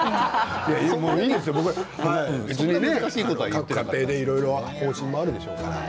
いいですよ、各家庭でいろいろ方針もあるでしょうから。